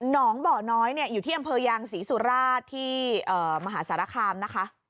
น้องบ่อน้อยอยู่ที่อำเภอยางศรีสุราชที่มหาสารคามนะคะ